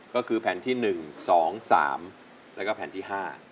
ก็คือแผ่นที่๑๒๓แล้วก็แผ่นที่๕